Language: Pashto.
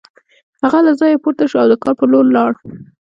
هغه له ځایه پورته شو او د کار په لور لاړ